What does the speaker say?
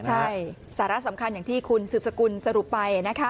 ใช่สาระสำคัญอย่างที่คุณสืบสกุลสรุปไปนะคะ